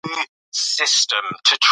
وګړي د افغانستان د انرژۍ سکتور برخه ده.